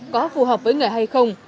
có phù hợp với người hay không